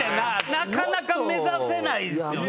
なかなか目指せないですよね。